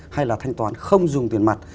hay là thanh toán không dùng tiền mặt